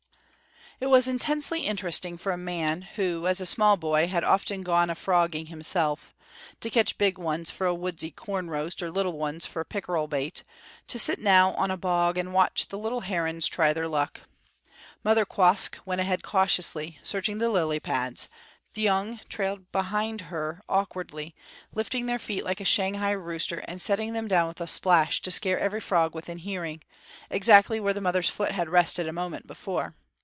It was intensely interesting for a man who, as a small boy, had often gone a frogging himself to catch big ones for a woodsy corn roast, or little ones for pickerel bait to sit now on a bog and watch the little herons try their luck. Mother Quoskh went ahead cautiously, searching the lily pads; the young trailed behind her awkwardly, lifting their feet like a Shanghai rooster and setting them down with a splash to scare every frog within hearing, exactly where the mother's foot had rested a moment before.